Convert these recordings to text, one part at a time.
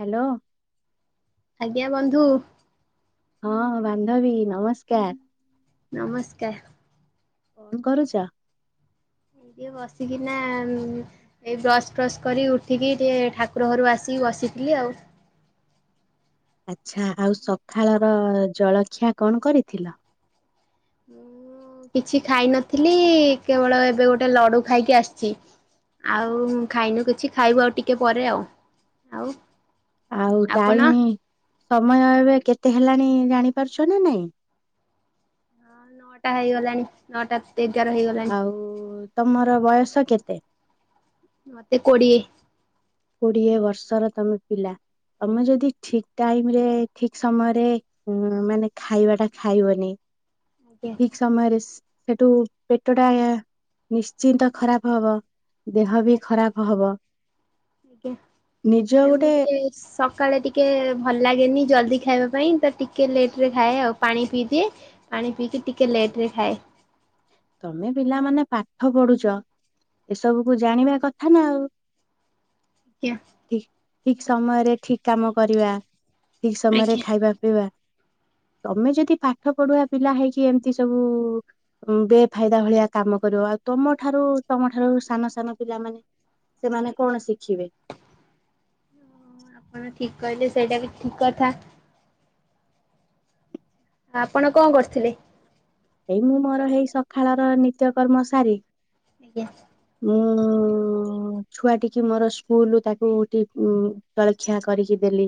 Hello. ଆଜ୍ଞା ବନ୍ଧୁ। ହଁ ବାନ୍ଧବୀ ନମସ୍କାର। ନମସ୍କାର। କରୁଛ। ଟିକେ ବସିକିନା। ଏଇ ବ୍ରଶ ଫ୍ରସ୍ କରିିକ ଉଠିକି ଟିକେ ଠାକୁର ଘରୁ ଆସିକି ବସିଥିଲି ଆଉ। ଆଚ୍ଛା ଆଉ ସକାଳର ଜଳଖିଆ କଣ କରିଥିଲ? କିଛି ଖାଇନଥିଲି କେବଳ ଏବେ ଗୋଟେ ଲଡୁ ଖାଇକି ଆସିଛି। ଆଉ ଖାଇନୁ କିଛି ଖାଇବୁ ଆଉ ଟିକେ ପରେ ଆଉ ଆଉ। ଆଉ ଆପଣ? ଟାଇମ ସମୟ ଏବେ କେତେ ହେଲାଣି ଜାଣିପାରୁଛ ନା ନାଇଁ। ନଅଟା ହେଇଗଲାଣି ନଅଟା। ଏଗାର ହେ ଆଉ ତମର ବୟସ କେତେ? ମତେ କୋଡ଼ିଏ। କୋଡିଏ ବର୍ଷର ତମେ ପିଲା ତମେ ଯଦି ଠିକ ଟାଇମରେ ଠିକ ସମୟରେ। ହୁଁ ମାନେ ଖାଇବା ଟା ଖାଇବନି। ଆଜ୍ଞା। ଠିକ ସମୟରେ ସେଠୁ ପେଟ ଟା। ନିଶ୍ଚିନ୍ତ ଖରାପ ହବ ଦେହ ଆଜ୍ଞା ବି ଖରାପ ହବ। ଆଜ୍ଞା। ନିଜ ଏ ମୁଁ ଗୋଟେ। ଟିକେ ସକାଳେ ଟିକେ ଭଲ ଲାଗେନି ଜଲଦି ଖାଇବା ପାଇଁ ତ ଟିକେ ଲେଟ ରେ ଖାଏ ଆଉ ପାଣି ପିଇଦିଏ। ପାଣି ପିଇକି ଟିକେ ଲେଟ ରେ ଖାଏ। ତମେ ପିଲାମାନେ ପାଠ ପଢୁଛ। ଏସବୁ କୁ ଜାଣିବା କଥା ନା ଆଉ। ଆଜ୍ଞା। ଠିକ ଠିକ ସମୟରେ ଠିକ କାମ କରିବା। ଠିକ ସମୟରେ ଆଜ୍ଞା। ଖାଇବା ପିଇବା। ତମେ ଯଦି ପାଠ ପଢୁଆ ପିଲା ହେଇକି ଏମତି ସବୁ ବେ ଫାଇଦା ଭଳିଆ କାମ କରିବ ଆଉ ତମ ଠାରୁ ତମଠାରୁ ସାନ ସାନ ପିଲାମାନେ। ସେମାନେ କଣ ଶିଖିବେ। ଆପଣ ଠିକ କହିଲେ ସେଇଟା ବି ଠିକ କଥା। ଆପଣ କଣ କରିଥିଲେ? ଏଇ ମୁଁ ମୋର ଏଇ ସକାଳର ନିତ୍ୟକର୍ମ ସାରି। ଆଜ୍ଞା। ମୁଁ ଉଁ ଛୁଆ ଟିକି ମୋର ସ୍କୁଲ ତାକୁ ଉଠି ଜଳଖିଆ କରିକି ଦେଲି।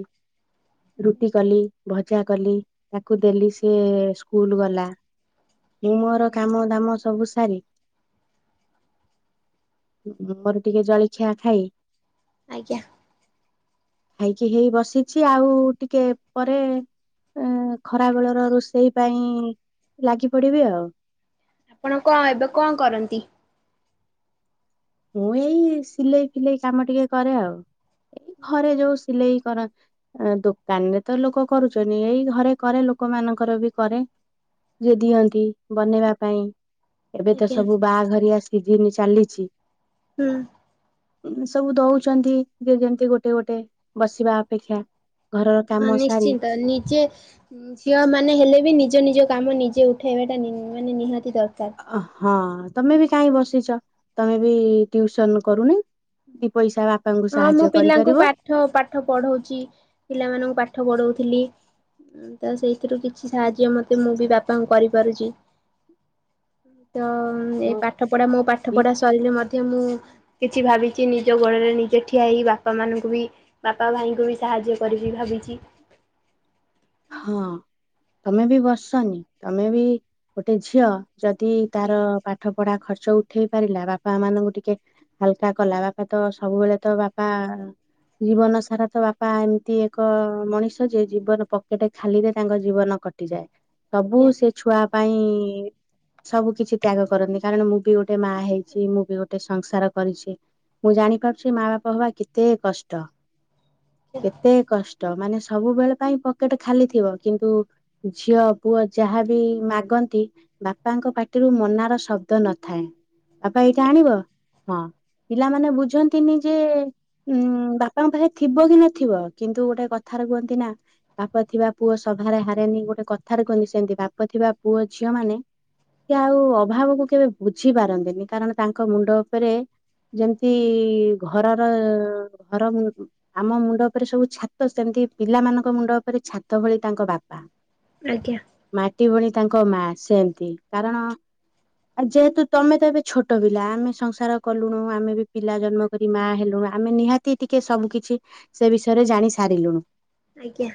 ଆଜ୍ଞା। ରୁଟି କଲି ଭଜା କଲି ତାକୁ ଦେଲି ସେ ସ୍କୁଲ ଗଲା। ମୁଁ ମୋର କାମ ଦାମ ସବୁ ସାରି ଉଁ ମୋର ଟିକେ ଜଳଖିଆ ଖାଇ ଆଜ୍ଞା। ଖାଇକି ହେଇ ବସିଛି ଆଉ ଟିକେ ପରେ ଏ ମୁଁ ଖରାବେଳର ରୋଷେଇ ପାଇଁ ଲାଗି ପଡିବି ଆଉ। ଆପଣ କଣ ଏବେ କଣ କରନ୍ତି? ମୁଁ ଏଇ ସିଲେଇ ଫିଲେଇ କାମ ଟିକେ କରେ ଆଉ ଏଇ ଘରେ ଯୋଉ ସିଲେଇ କର ଅଁ ଦୋକାନ ରେ ତ ଲୋକ କରୁଚନ୍ତି ଏଇ ଘରେ କରେ ଲୋକ ମାନଙ୍କର ବି କରେ। ଯିଏ ଦିଅନ୍ତି ବନେଇବା ପାଇଁ ଏବେ ତ ଆଜ୍ଞା। ସବୁ ବାହାଘରିଆ ସିଜିନି ଚାଲିଛି। ହୁଁ। ଏମିତ୍ ସବୁ ଦଉଚନ୍ତି ଯେ ଯେମତି ଗୋଟେ ଗୋଟେ ବସିବା ଅପେକ୍ଷା ଘରର ହୁଁ କାମ ସାରି ନିଶ୍ଚିନ୍ତ ନିଜେ ଝିଅମାନେ ହେଲେ ବି ନିଜ ନିଜ କାମ ନିଜେ ଉଠେଇବାଟା ନିନ୍ ମାନେ ନିହାତି ଦରକାର। ଅ ହଁ ତମେ ବି କାଇଁ ବସିଛ ତମେ ବି ଟ୍ୟଉସନ୍ କରୁନ? ଦି ପଇସା ବାପାଙ୍କୁ ସାହାଯ୍ୟ କରିପାରିବ। ଠ ପାଠ ପଢଉଚି ପିଲାମାନଙ୍କୁ ପାଠ ପଢଉଥିଲି। ଉଁ ତ ସେଇଥିରୁ କିଛି ସାହାଯ୍ୟ ମୋତେ ମୁଁ ବି ବାପାଙ୍କୁ କରିପାରୁଚି। ତ ଉମ୍ ଏ ହଁ ପାଠ ପଢା ମୋ ପାଠ ଦି ପଢା ସରିଲେ ମଧ୍ୟ ମୁଁ କିଛି ଭାବି ଚି ନିଜ ଗୋଡ଼ରେ ନିଜେ ଠିଆ ହେଇ ବାପାମାନଙ୍କୁ ବି ବାପା ଭାଇଙ୍କୁ ବି ସାହାଯ୍ୟ କରିବି ଭାବିଚି। ହଁ ତମେ ବି ବସନି ତମେ ବି ଗୋଟେ ଝିଅ। ଯଦି ତାର ପାଠ ପଢା ଖର୍ଚ୍ଚ ଉ ଉଠେଇ ପାରିଲା ବାପା ମାନଙ୍କୁ ଟିକେ ହାଲକା କଲା ବାପା ତ ସବୁବେଳେ ତ ବାପା ଜୀବନସାରା ତ ବାପା ଏମତି ଏକ ମଣିଷ ଯେ ଜୀବନ ପକ୍ କେଟେ ଖାଲିରେ ତାଙ୍କ ଜୀବନ କଟିଯାଏ। ସବୁ ଆଜ୍ଞା ସେ ଛୁଆ ପାଇଁ ସବୁ କିଛି ତ୍ୟାଗ କରନ୍ତି କାରଣ ମୁଁ ବି ଗୋଟେ ମା ହେଇଛି ମୁଁ ବି ଗୋଟ୍ ଟେ ସଂସାର କରିଛି ମୁଁ ଜାଣିପାରୁଛି ମା ବାପା ହବା କେତେ କଷ୍ଟ। କେତେ କଷ୍ଟ ମାନେ ସବୁବେଳେ ପାଇଁ ପକେଟ ଖାଲି ଥିବ କିନ୍ତୁ ଝିଅ ପୁଅ ଯାହାବି ମାଗନ୍ତି ବାପାଙ୍କ ପାଟିରୁ ମନାର ଶବ୍ଦ ନଥାଏ। ବାପା ଏଇଟା ଆଣିବ? ହଁ ପିଲାମାନେ ବୁଝନ୍ତିନି ଯେ ଏ ଉଁ ବାପାଙ୍କ ପାଖରେ ଥିବ କି ନଥିବ କିନ୍ତୁ ଗୋଟାଏ କଥାରେ କୁହନ୍ତି ନା ବାପ ଥିବା ପୁଅ ସଭାରେ ହାରେନି ଗୋଟେ କଥାରେ କୁହନ୍ତିି। ସେମିତି ବାପ ଥିବା ପୁଅ ଝିଅ ମାନେ କି ଆଉ ଅଭାବକୁ କେବେ ବୁଝି ପାରନ୍ତିନି କାରଣ ତାଙ୍କ ମୁଣ୍ଡ ଉପରେ ଯେମିତି ଘର ଘର ଆମ୍ ଆମ ମୁଣ୍ଡ ଉପରେ ସବୁ ଛାତ ସେମିତି ପିଲାମାନଙ୍କ ମୁଣ୍ଡ ଉପରେ ଛାତ ଭଳି ତାଙ୍କ ବାପା। ଆଜ୍ଞା। ମାଟି ଭଳି ତାଙ୍କ ମା ସେମତି କାରଣ ଆଉ ଯେହେତୁ ତମେ ତ ଏବେ ଛୋଟ ପିଲା ଆମେ ସଂସାର କଲୁଣୁ ଆମେ ବି ପିଲା ଜନ୍ମ ଯଦି ମା ହେଲୁଣୁ ଆମେ ନିହାତି ଟିକେ ସବୁ କିିଛି ସେ ବିଷୟରେ ଜାଣି ସାରିଲୁଣୁ। ଆଜ୍ଞା।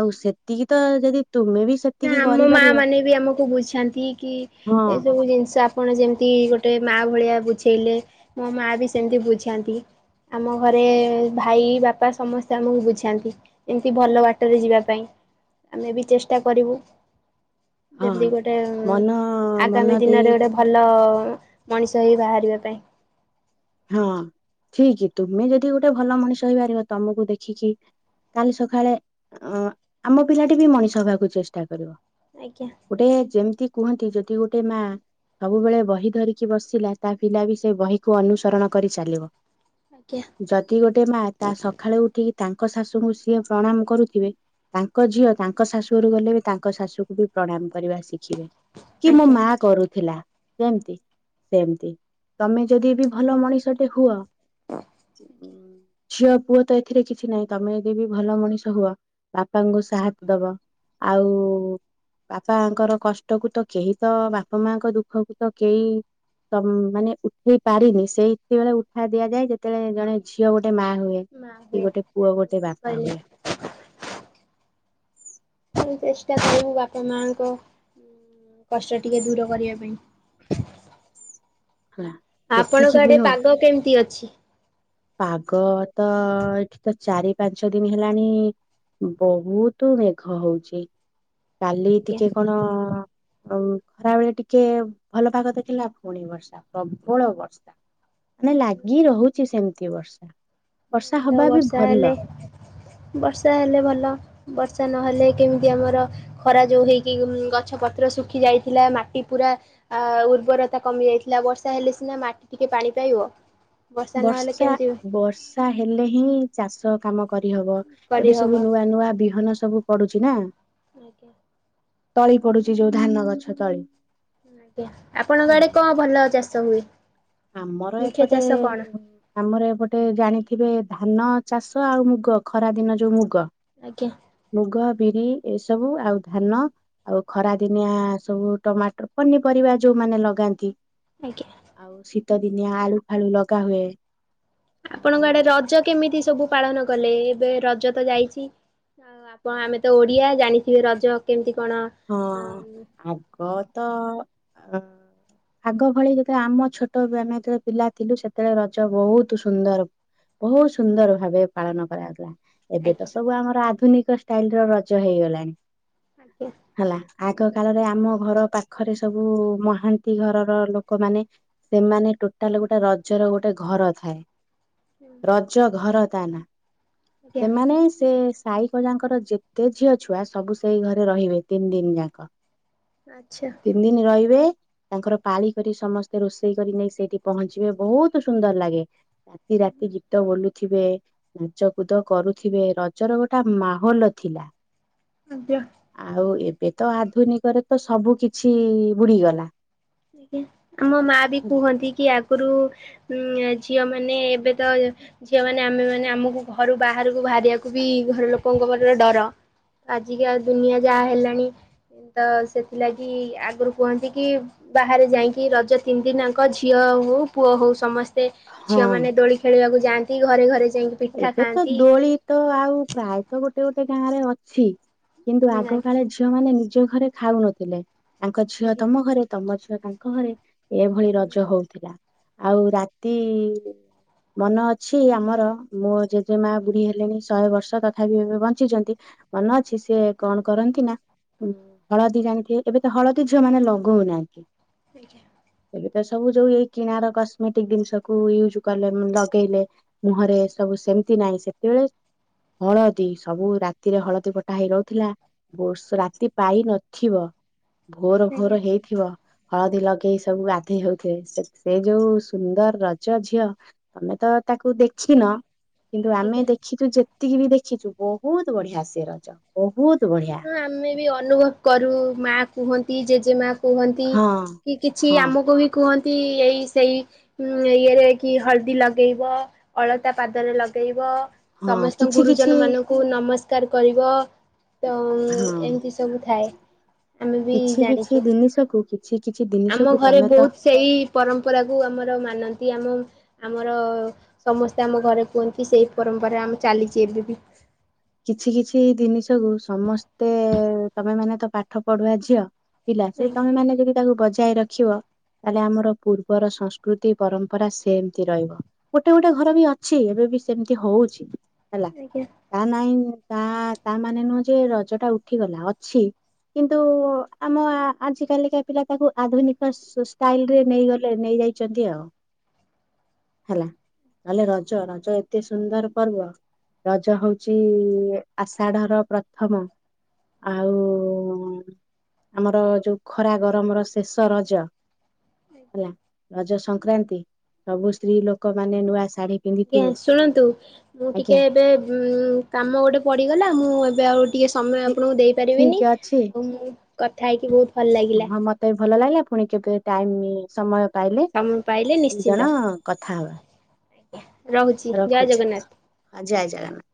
ଆଉ ସେତିକି ତ, ଯଦି ତୁମେ ବି ସେତ୍ ନା ଆମ ମା ମାନେ ବି ଆମକୁ ବୁଝାନ୍ତି କି, ହଁ ଏସବୁ ଜିନିଷ ଆପଣ ଯେମିତି ଗୋଟେ ମାଆ ଭଳିଆ ବୁଝେଇଲେ, ମୋ ମାଆ ବି ସେମିତି ବୁଝାନ୍ତି। ଆମ ଘରେ ଭାଇ, ବାପା ସମସ୍ତେ ଆମକୁ ବୁଝାନ୍ତି। ଏମିତି ଭଲ ବାଟରେ ଯିବା ପାଇଁ, ଆମେ ବି ଚେଷ୍ଟା କରିବୁ। ହଁ ଯେମିତି ଗୋଟେ, ମନ ମନ ଆଗାମୀ ଦେଇ ଦିନରେ ଗୋଟେ ଭ ଭଲ ମଣିଷ ହେଇ ବାହାରିବା ପାଇଁ। ହଁ ଠିକ୍, ତୁମେ ଯଦି ଗୋଟେ ଭଲ ମଣିଷ ହେଇପାରିବ, ତମକୁ ଦେଖିକି କାଲି ସକାଳେ ଅ ଆମ ପିଲାଟି ବି ମଣିଷ ହବାକୁ ଚେଷ୍ଟା କରିବ। ଆଜ୍ଞା। ଗୋଟେ ଯେମିତି କୁହନ୍ତି, ଯଦି ଗୋଟେ ମା ସବୁବେଳେ ବହି ଧରିକି ବସିଲା, ତା ପିଲା ବି ସେ ବହିକୁ ଅନୁସରଣ କରି ଚାଲିବ। ଆଜ୍ଞା। ଯଦି ଗୋଟେ ମା, ତା ସକାଳୁ ଉଠିକି ତାଙ୍କ ଶାଶୁଙ୍କୁ ସିଏ ପ୍ରଣାମ କରୁଥିବେ ତାଙ୍କ ଝିଅ, ତାଙ୍କ ଶାଶୁ ଘରୁକୁ ଗଲେ ବି ତାଙ୍କ ଶାଶୁକୁ ବି ପ୍ରଣାମ କରିବା ଶିଖିବେ। କି ମୋ ଆଜ୍ଞା ମା କରୁଥିଲା ସେମତି, ସେମତି ତମେ ଯଦି ବି ଭଲ ମଣିଷ ଟେ ହୁଅ। ଝିଅ ପୁଅ ତ ଏଥିରେ କିଛି ନାହିଁ, ତମେ ଯଦି ବି ଭଲ ମଣିଷ ହୁଅ, ବାପାଙ୍କୁ ସାହାସ ଦବ। ଆଉ ବାପାଙ୍କର କଷ୍ଟ କୁ ତ କେହି ତ, ବାପା ମାଙ୍କ ଦୁଃଖ କୁ ତ କେହି ତ ମାନେ ଉଠେଇ ପାରିନି, ସେଇ ଏତ ବେଳେ ଉଠା ଦିଆଯାଏ ଯେତେବେଳେ ଜଣେ ଝିଅ ଗୋଟେ ମା ହୁଏ। ମା କି ହୁଏ। ଗୋଟେ ପୁଅ ଗୋଟେ ବାପା କହିଲେ ହୁଏ। ତ ଚେଷ୍ଟା କରିବୁ ବାପା ମାଙ୍କ କଷ୍ଟ ଟିକେ ଦୂର କରିବା ପାଇଁ। [unintelligible] ଆପଣଙ୍କ ଯେତିକି ବି ଆଡେ ହଉ ପାଗ କେମିତି ଅଛି? ପାଗ ତ, ଏଇଠି ତ, ଚାରି ପାଞ୍ଚ ଦିନ ହେଲାଣି ବହୁତ ମେଘ ହଉଚି, କାଲି ଆଜ୍ଞା। ଟିକେ କଣ ଖରାବେେଳେ ଟିକେ ଭଲ ପାଗ ଦେଖେଇଲା, ପୁଣି ବର୍ଷା, ପ୍ରବଳ ବର୍ଷା। ମାନେ ଲାଗି ରହୁଛି ସେମିତି ବର୍ଷା, ବର୍ଷା ତ ହବା ବି ବର୍ଷା ହେଲେ ଭଲ। ବର୍ଷା ହେଲେ ଭଲ, ବର୍ଷା ନହେଲେ କେମିତି ଆମର ଖରା ଯୋଉ ହେଇକି ଗଛ ପତ୍ର ଶୁଖି ଯାଇଥିଲା ମାଟି ପୁରା ଆ ଉର୍ବରତା କମି ଯାଇଥିଲା, ବର୍ଷା ହେଲେ ସିନା ମାଟି ଟିକେ ପାଣି ପାଇବ। ନହେଲେ ବର୍ଷା, କେମିତି ବର୍ଷ ବର୍ଷା ହେଲେ ହିଁ ଚାଷ କାମ କରିହବ, ଏବେ କରିହବ ସବୁ ନୂଆ ନୂଆ ବିହନ ସବୁ ପଡୁଚି ନା? ଆଜ୍ଞା। ତଳି ପଡୁଛି, ଯୋଉ ଧାନ ଗଛ ତଳି। ଆଜ୍ଞା। ଆପଣଙ୍କ ଆଡେ କଣ ଭଲ ଚାଷ ହୁଏ? ଆମର ମୁଖ୍ୟ ଏପଟେ ଚାଷ କଣ? ଆମର ଏପଟେ ଜାଣିଥିବେ ଧାନ ଚାଷ, ଆଉ ମୁଗ, ଖରା ଦିନ ଯୋଉ ମୁଗ ଆଜ୍ଞା। ମୁଗ, ବିରି ଏସବୁ ଆଉ ଧାନ ଆଉ ଖରା ଦିନିଆ ସବୁ ଟମାଟର, ପନିପରିବା ଯୋଉମାନେ ଲଗାନ୍ତି ଆଜ୍ଞା। ଆଉ ଶୀତ ଦିନିଆ ଆଳୁ ଫାଳୁ ଲଗା ହୁଏ। ଆଉ ଆପଣଙ୍କ ଆଡେ ରଜ କେମିତି ସବୁ ପାଳନ କଲେ ଏବେ ରଜ ତ ଯାଇଛି। ଆଉ ଆପଣ ଆମେ ତ ଓଡିଆ ଜାଣିଥିବେ ରଜ କେମତି କଣ ହଁ ଆଜ୍ଞା ଆଗ ତ ଅ ଆଗ ଭଳି ଯେତେବେଳେ ଆମ ଛୋଟ ଆମେ ଯେତେବେଳେ ପିଲା ଥିଲୁ ସେତେବେଳେ ରଜ ବହୁତ ସୁନ୍ଦର ବହୁତ ସୁନ୍ଦର ଭାବେ ପାଳନ କରାଯାଉଥିଲା। ଏବେ ତ ସବୁ ଆମର ଆଧୁନିକ ଷ୍ଟାଇଲ ର ରଜ ହେଇଗଲାଣି। ଆଜ୍ଞା। ହେଲା ଆଗ କାଳରେ ଆମ ଘର ପାଖରେ ସବୁ ମହାନ୍ତି ଘରର ଲୋକମାନେ ସେମାନେ ଟୋଟାଲ ଗୋଟେ ରଜର ଗୋଟେ ଘର ଥାଏ। ରଜ ଘର ତା ନା ଆଜ୍ଞା ସେମାନେ ସେ ସାଇକଜାଙ୍କର ଯେତେ ଝିଅ ଛୁଆ ସବୁ ସେଇ ଘରେ ରହିବେ ତିନି ଦିନ ଯାକ ଆଚ୍ଛା। ତିନି ଦିନ ରହିବେ ତାଙ୍କର ପାଳି କରି ସମସ୍ତେ ରୋଷେଇ କରି ନେଇ ସେଇଠି ପହଞ୍ଚିବେ ବହୁତ ସୁନ୍ଦର ଲାଗେ। ରାତି ରାତି ଗୀତ ଗୋଲୁ ଥିବେ ନାଚ କୁଦ କରୁଥିବେ ରଜର ଗୋଟେ ମାହୋଲ ଥିଲା। ଆଜ୍ଞା ଆଉ ଏବେ ତ ଆଧୁନିକରେ ତ ସବୁ କିଛି ବୁଡିଗଲା। ଆଜ୍ଞା ଆମ ମା ବି କୁହନ୍ତି କି ଆଗରୁ ଉଁ ଝିଅ ମାନେ ଏବେ ତ ଝିଅମାନେ ଆମେ ମାନେ ଆମକୁ ଘରୁ ବାହାରକୁ ବାହାରିବାକୁ ବି ଘର ଲୋକଙ୍କ ପାଖରେ ଡର। ଆଜିକା ଦୁନିଆ ଯାହା ହେଲାଣି ତ ସେଥିଲାଗି ଆଗରୁ କୁହନ୍ତି କି ବାହାରେ ଯାଇକି ରଜ ତିନି ଦିିନଙ୍କ ଝିଅ ହଉ ପୁଅ ହଉ ସମସ୍ତେ ହଁ ଝିଅ ମାନେ ଦୋଳି ଖେଳିବାକୁ ଯାଆନ୍ତି ଘରେ ଘରେ ଯାଇକି ପିଠା ଏବେ ତ ଖାଆନ୍ତି। ଦୋଳି ତ ଆଉ ପ୍ରାୟତ ଗୋଟେ ଗୋଟେ ଗାଁ ରେ ଅଛି। କିନ୍ତୁ ଆଜ୍ଞା ଆଗ ଆଜ୍ଞା କାଳେ ଝିଅ ମାନେ ନିଜ ଘରେ ଖାଉନଥିଲେ ତାଙ୍କ ଝିଅ ଆଜ୍ଞା ତମ ଘରେ ତମ ଝିଅ ତାଙ୍କ ଘରେ ଏଭଳି ରଜ ହଉ। ଥିଲା ଆଉ ରାତି ମନ ଅଛି ଆମର ମୋ ଜେଜେ ମା ବୁଢୀ ହେଲେଣି ଶହେ ବର୍ଷ ତଥାପି ଏବେ ବଞ୍ଚିଛନ୍ତି। ମନ ଅଛି ସିଏ କଣ କରନ୍ତି ନା ହଳଦୀ ଜାଣିଥିବେ ଏବେ ତ ହଳଦୀ ଝିଅ ମାନେ ଲଗଉନାହାଁନ୍ତି। ଆଜ୍ଞା ହେ ତ ସବୁ ଯୋଉ ଏଇ କିଣାର କସ୍ମେଟିକ ଜିନିଷ କୁ ୟୁଜ କଲେ ଲଗେଇଲେ। ମୁହଁରେ ସବୁ ସେମତି ନାହିଁ ସେତେବେଳେ ହଳଦୀ ସବୁ ରାତିରେ ହଳଦୀ ଫଟା ହେଇ ରହୁଥିଲା। ବର୍ଷ ରାତି ପାଇ ନଥିବ ଭୋର ଆଜ୍ଞା ଭୋର ହେଇଥିବ। ହଳଦୀ ଲଗେଇ ସବୁ ଗାଧେଇ ହଉଥିଲେ ସେ ଯୋଉ ସୁନ୍ଦର ରଜ ଝିଅ। ତମେ ତ ତାକୁ ଦେଖିନ? କିନ୍ତୁ ଆମେ ଆଜ୍ଞା। ଦେଖିଛୁ ଯେତିକି ବି ଦେଖିଛୁ ବହୁତ ବଢିଆ ସେ ରଜ ବହୁତ ବଢିଆ। ହଁ ଆମେ ବି ଅନୁଭବ କରୁ ମା କୁହନ୍ତି ଯେଜେ ମା କୁହନ୍ତି ହଁ କି କିଛି ହଁ ଆମକୁ ବି କୁହନ୍ତି ଏଇ ସେଇ ଉଁ ଇଏରେ କି ହଳଦୀ ଲଗେଇବ ଅଳତା ପାଦରେ ଲଗେଇବ। ହଁ ସମସ୍ତ କିଛି କିଛି ଗୁରୁଜନ ମାନଙ୍କୁ ନମସ୍କାର କରିବ। ତ ହଁ ଏମିତି ସବୁ ଥାଏ। ଆମେ ବି କିଛି କିଛି ଜାଣିଛୁ। ଜିନିଷକୁ କିଛି କିଛି ଆମ ଜିନିଷକୁ ଘରେ ତମେ ତ ବହୁତ ସେଇ ପରମ୍ପରାକୁ ଆମର ମାନନ୍ତି ଆମ ଆମର ସମସ୍ତେ ଆମ ଘରେ କୁହନ୍ତି ସେଇ ପରମ୍ପରା ଆମ ଚାଲିଛି ଏବେ ବି କିଛି କିଛି ଦିନିସ କୁ ସମସ୍ତେ ତମେ ମାନେ ତ ପାଠ ପଢୁଆ ଝିଅ ପିଲା ସେ ଆଜ୍ଞା ତମେ ମାନେ ଯଦି ତାକୁ ବଜାୟ ର ଦେଖିବ ତାହେଲେ ଆମର ପୂର୍ବର ସଂସ୍କୃତି ପରମ୍ପରା ସେମତି ରହିବ। ଗୋଟେ ଗୋଟେ ଘର ବି ଅଛି ଏବେ ବି ସେମିତି ହଉଛି। ଆଜ୍ଞା। ଆଜ୍ଞା। ତା ନାଇଁ ତା ତାମାନେ ନୁହେଁ ଯେ ରଜଟା ଉଠିଗଲା ଅଛି। କିନ୍ତୁ ଆମ ଆଜିକାଲିକା ପିଲାତାକୁ ଆଧୁନିକ ଷ୍ଟାଇଲରେ ନେଇଗଲେ ନେଇଯାଇ। ଯଦି ଆଉ ହେଲା ନହେଲେ ରଜରଜ ଏତେସୁନ୍ଦର ପର୍ବ ରଜ ହଉ ଉଛି ଆଷାଢର ପ୍ରଥମ ଆଉ ଆମର ଯୋଉ ଖରାଗରମର ଶେଷରଜ ହେଲା ରଜ ସଂକ୍ରାନ୍ତି ସବୁ ସ୍ତ୍ରୀଲୋକ ମାନେ ନୂଆଶାଢୀ ଆଜ୍ଞାଶୁଣନ୍ତୁ ମୁଁ ଟିକେଏବେ କାମଗୋଟେ ପଡିଗଲା ମୁଁ ଏବେ ଆଉ ଟିକେ ସମୟ ଠିକ ଆପଣଙ୍କୁ ଠିକ ଦେଇପାରିବିନି ଅଛି କଥା ହେଇକି ବହୁତ ଭଲ ଲାଗିଲା। ହଁ ମତେ ଭଲ ଲାଗିଲା ପୁଣି କେବେ ଟାଇମ୍ ସମୟ ପାଇଲେ ସମୟ ପାଇଲେ ନିଶ୍ଚିନ୍ତ। ଦିଜଣ କଥାହବା। ରହୁଛି ଜୟ ରଖୁଛି ଜଗନ୍ନାଥ। ଜୟ ଜଗନ୍ନାଥ।